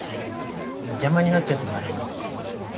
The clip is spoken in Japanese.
邪魔になっちゃってもあれなんで。